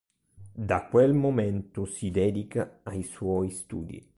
Da quel momento si dedica ai suoi studi.